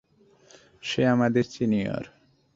সে আমাদের সিনিয়র।